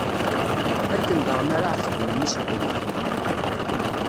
Akken daɣen ara ɛetben mmi-s n umdan.